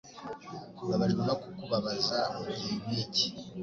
Mbabajwe no kukubabaza mugihe nkiki.